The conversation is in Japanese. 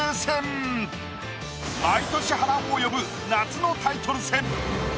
毎年波乱を呼ぶ夏のタイトル戦。